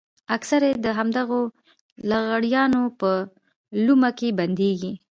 اکثره يې د همدغو لغړیانو په لومه کې بندېږي.